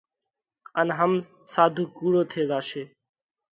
ان هم ساڌُو ڪُوڙو ٿي زاشي۔